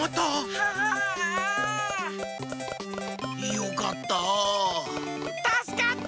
よかった。